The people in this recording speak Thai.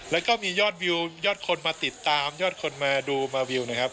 แล้วก็มียอดวิวยอดคนมาติดตามยอดคนมาดูมาวิวนะครับ